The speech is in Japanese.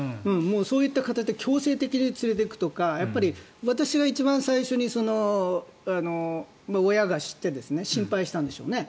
そういった方って強制的に連れていくとかやっぱり私は一番最初に親が知って心配したんでしょうね。